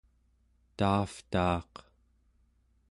taavtaaq